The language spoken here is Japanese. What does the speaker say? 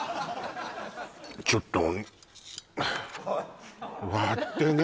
ちょっと割ってね